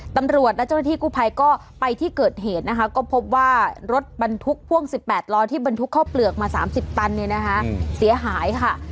ตำรวจและเจ้าหน้าที่กู้ภัยก็ไปที่เกิดเหตุนะคะก็พบว่ารถบรรทุกพ่วง๑๘ล้อที่บรรทุกเข้าเปลือกมา๓๐ตันเนี่ยนะคะเสียหายค่ะ